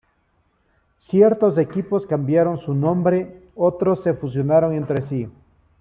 Ciertos equipos cambiaron su nombre, otros se fusionaron entre sí.